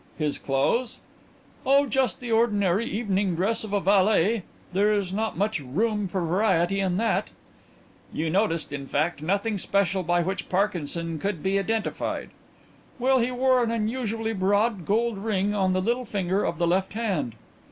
"His clothes?" "Oh, just the ordinary evening dress of a valet. There is not much room for variety in that." "You noticed, in fact, nothing special by which Parkinson could be identified?" "Well, he wore an unusually broad gold ring on the little finger of the left hand."